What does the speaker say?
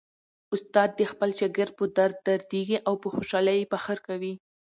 استاد د خپل شاګرد په درد دردیږي او په خوشالۍ یې فخر کوي.